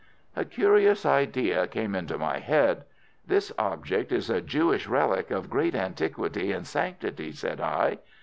A curious idea came into my head. "This object is a Jewish relic of great antiquity and sanctity," said I.